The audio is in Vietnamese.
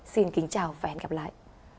xin kính chào và hẹn gặp lại